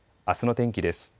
あすの天気です。